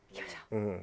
うん。